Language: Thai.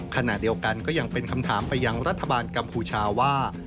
ขณะเดียวกันก็ยังเป็นคำถามไปยังรัฐบาลกัมพูชาว่า